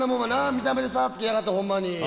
見た目で差つけやがってほんまに。